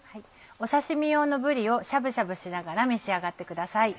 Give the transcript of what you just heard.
刺し身用のぶりをしゃぶしゃぶしながら召し上がってください。